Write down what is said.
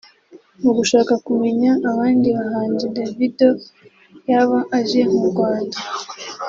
Mu gushaka kumenya abandi bahanzi Davido yaba azi mu Rwanda